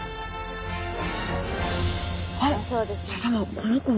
この子は？